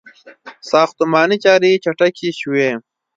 • ساختماني چارې چټکې شوې.